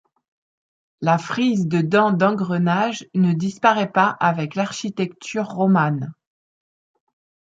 La frise de dents d'engrenage ne disparaît pas avec l'architecture romane.